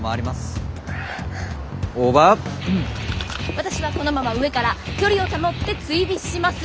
私はこのまま上から距離を保って追尾します。